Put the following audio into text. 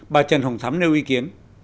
bà trần hồng thắm nêu ý kiến